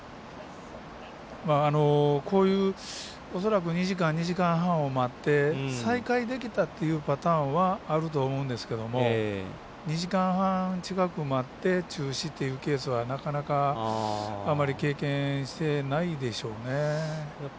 こういう、２時間２時間半も待って再開できたというパターンはあると思うんですけど２時間半近く待って中止というケースはなかなかあまり経験してないでしょうね。